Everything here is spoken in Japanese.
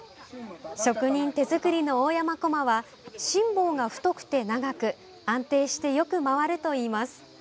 職人手作りの大山こまは芯棒が太くて長く安定して、よく回るといいます。